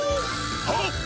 はっ！